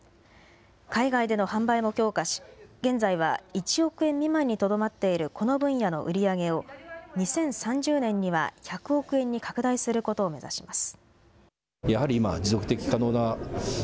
海外での販売も強化し、現在は１億円未満にとどまっているこの分野の売り上げを、２０３０年には１００億円に拡大することを目指します。